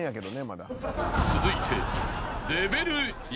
［続いて］